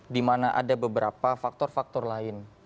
di mana ada beberapa faktor faktor lain